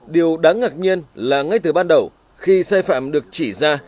điều đáng ngạc nhiên là ngay từ ban đầu khi sai phạm được chỉ ra